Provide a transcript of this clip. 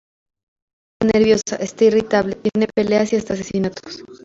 La gente está nerviosa, está irritable, tiene peleas y hasta asesinatos.